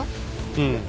うん。